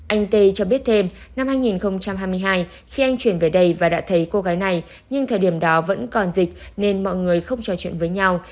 anh tê cho biết thêm năm hai nghìn hai mươi hai khi anh chuyển về đây và đã thấy cô gái này nhưng thời điểm đó vẫn còn dịch nên mọi người không trò chuyện với nhau